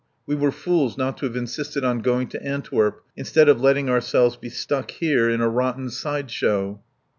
We were fools not to have insisted on going to Antwerp, instead of letting ourselves be stuck here in a rotten side show."